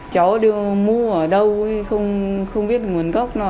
cháu đưa mua ở đâu không biết nguồn gốc nó ở đâu cháu đưa mua ở đâu không biết nguồn gốc nó ở đâu